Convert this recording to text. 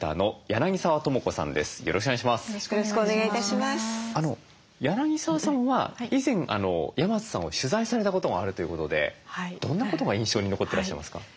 柳澤さんは以前山津さんを取材されたことがあるということでどんなことが印象に残ってらっしゃいますか？